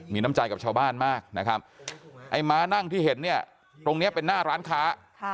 มีน้ำใจกับชาวบ้านมากนะครับไอ้ม้านั่งที่เห็นเนี่ยตรงนี้เป็นหน้าร้านค้า